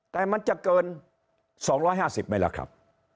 แต่มันจะเกิน๒๕๐ไหมล่ะครับ